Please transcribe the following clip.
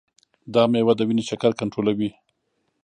دا میوه د وینې شکر کنټرولوي.